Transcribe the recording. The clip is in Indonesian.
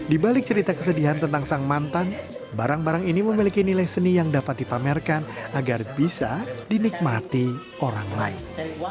di balik cerita kesedihan tentang sang mantan barang barang ini memiliki nilai seni yang dapat dipamerkan agar bisa dinikmati orang lain